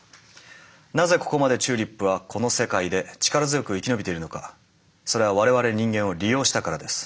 なぜここまでチューリップはこの世界で力強く生き延びてるのかそれは我々人間を利用したからです。